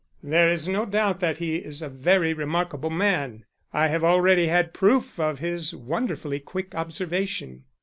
"There is no doubt that he is a very remarkable man. I have already had proof of his wonderfully quick observation."